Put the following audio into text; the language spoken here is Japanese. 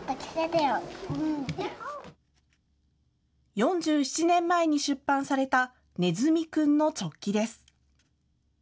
４７年前に出版されたねずみくんのチョッキです。